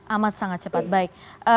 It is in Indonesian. amat sangat cepat baik